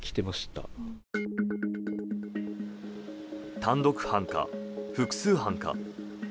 単独犯か、複数犯か。